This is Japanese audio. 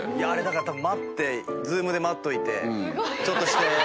あれだから多分待ってズームで待っといてちょっとして。